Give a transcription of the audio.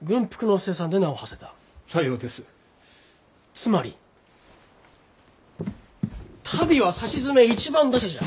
つまり足袋はさしずめ１番打者じゃ。